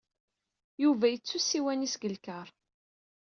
Yuba yettu ssiwan-is deg lkar.